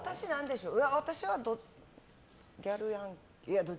私はギャルヤン。